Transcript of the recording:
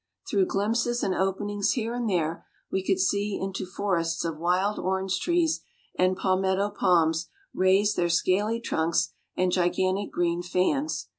Through glimpses and openings here and there we could see into forests of wild orange trees; and palmetto palms raised their scaly trunks and gigantic green fans.